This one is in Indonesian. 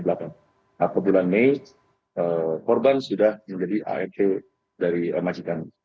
nah ke bulan mei korban sudah menjadi art dari majikan